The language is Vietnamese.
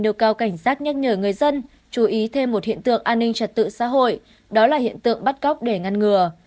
đều cao cảnh giác nhắc nhở người dân chú ý thêm một hiện tượng an ninh trật tự xã hội đó là hiện tượng bắt cóc để ngăn ngừa